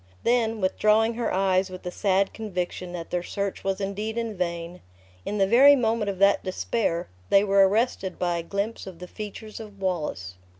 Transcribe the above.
Then withdrawing her eyes with a sad conviction that their search was indeed in vain; in the very moment of that despair, they were arrested by a glimpse of the features of Wallace.